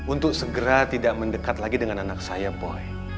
untuk segera tidak mendekat lagi dengan anak saya boy